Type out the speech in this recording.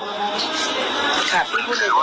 แต่เดี๋ยวหนูจะเอากับน้องเขามาแต่ว่า